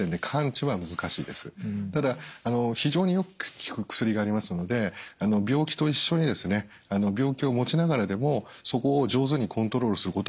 ただ非常によく効く薬がありますので病気と一緒に病気を持ちながらでもそこを上手にコントロールすることができる時代です。